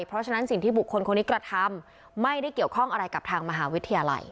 เพราะฉะนั้นสิ่งที่บุคคลคนนี้กระทำไม่ได้เกี่ยวข้องอะไรกับทางมหาวิทยาลัย